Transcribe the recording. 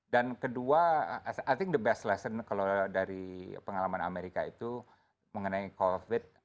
dan kedua i think the best lesson kalau dari pengalaman amerika itu mengenai covid